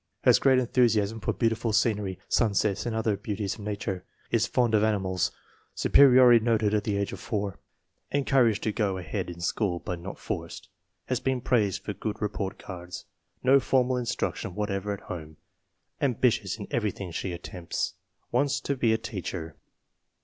" Has great enthusiasm for beautiful scenery, sunsets, and other beauties of nature." Is fond of animals. Su periority noted at the age of 4. Encouraged to go ahead in school but not forced. Has been praised for good report cards. No formal instruction whatever at home. Ambitious in everything she attempts. Wants to be a teacher.